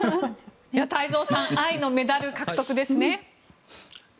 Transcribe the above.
太蔵さん愛のメダル獲得ですね。